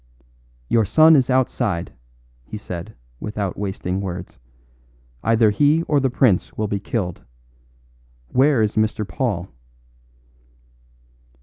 "Your son is outside," he said without wasting words; "either he or the prince will be killed. Where is Mr. Paul?"